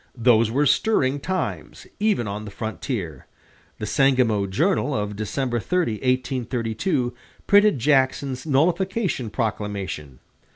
Those were stirring times, even on the frontier. The "Sangamo Journal" of December 30, 1832, printed Jackson's nullification proclamation.